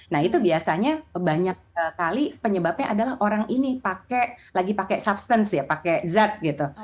nah itu biasanya banyak kali penyebabnya adalah orang ini pakai lagi pakai substance ya pakai zat gitu